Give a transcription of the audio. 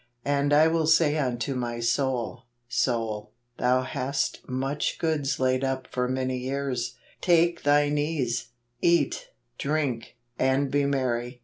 " And I icill say unto my soul, Soul, thou hast much goods laid up for many years; take thine ease, eat , drink, and be merry.